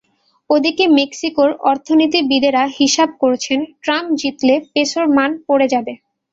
ওদিকে মেক্সিকোর অর্থনীতিবিদেরা হিসাব করছেন, ট্রাম্প জিতলে পেসোর মান পড়ে যাবে।